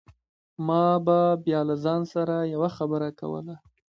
ما به بيا له ځان سره يوه خبره کوله.